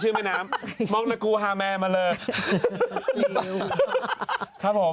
ดูมาแล้วฮะครับผมแค่มันช่วย